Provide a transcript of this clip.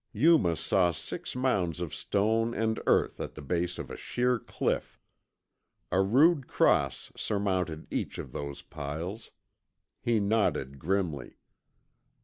Yuma saw six mounds of stone and earth at the base of a sheer cliff. A crude cross surmounted each of those piles. He nodded grimly.